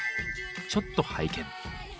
ちょっと拝見。